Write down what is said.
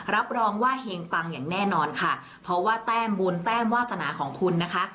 รับรองว่าเฮงปังอย่างแน่นอนค่ะเพราะว่าแต้มบุญแต้มวาสนาของคุณนะคะ